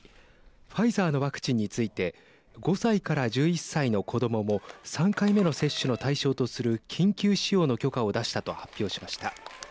ファイザーのワクチンについて５歳から１１歳の子どもも３回目の接種の対象とする緊急使用の許可を出したと発表しました。